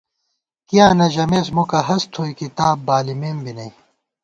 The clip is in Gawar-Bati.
کیاں نہ ژَمېس مُکہ ہست تھوئی کِتاب بالِمېم بی نئ